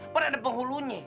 padahal ada penghulunya